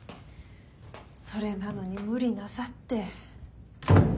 それなのに無理なさって。